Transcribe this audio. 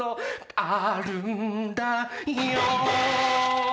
あるんだよん